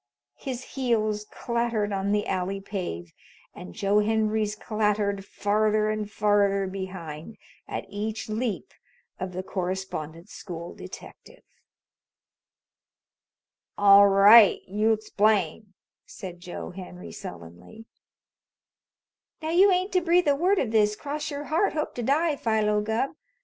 His heels clattered on the alley pave, and Joe Henry's clattered farther and farther behind at each leap of the Correspondence School detective. "All right, you explain," said Joe Henry sullenly. "Now you ain't to breathe a word of this, cross your heart, hope to die, Philo Gubb.